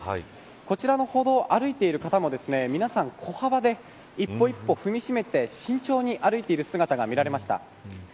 こちらの歩道を歩いている方も皆さん、小幅で一歩一歩踏みしめて慎重に歩いてる姿が見られました。